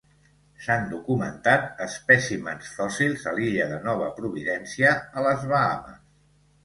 S'han documentat espècimens fòssils a l'illa de Nova Providència, a les Bahames.